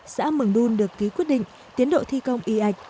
xã mừng đôn được ký quyết định tiến độ thi công y ạch